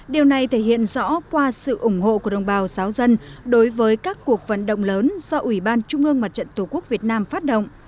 điều này thể hiện rõ qua sự ủng hộ của đồng bào giáo dân đối với các cuộc vận động lớn do ủy ban trung ương mặt trận tổ quốc việt nam phát động